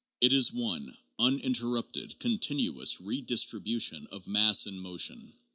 It is one uninter rupted, continuous redistribution of mass in motion.